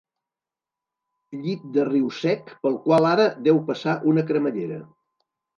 Llit de riu sec pel qual ara deu passar una cremallera.